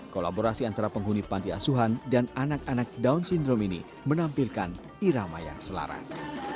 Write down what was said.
kolaborasi antara penghuni panti asuhan dan anak anak down syndrome ini menampilkan irama yang selaras